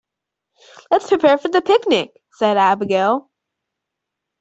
"Let's prepare for the picnic!", said Abigail.